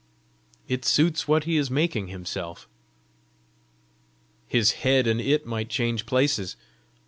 "It suits what he is making himself." "His head and it might change places!"